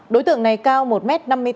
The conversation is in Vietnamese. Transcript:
đối tượng này cao một m năm mươi tám